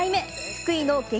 福井の激